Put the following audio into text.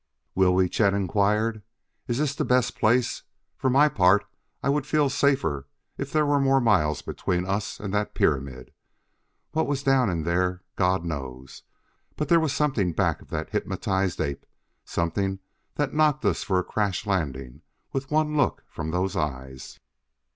"Will we?" Chet inquired. "Is this the best place? For my part I would feel safer if there were more miles between us and that pyramid. What was down in there, God knows. But there was something back of that hypnotized ape something that knocked us for a crash landing with one look from those eyes."